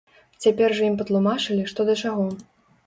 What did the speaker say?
Цяпер жа ім патлумачылі што да чаго.